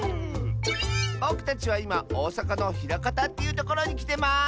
ぼくたちはいまおおさかのひらかたっていうところにきてます！